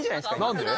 何で？